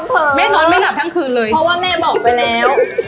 เพราะว่าแม่บอกไปแล้ว